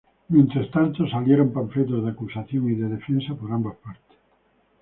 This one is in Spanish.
Mientras tanto salieron panfletos de acusación y de defensa por ambas partes.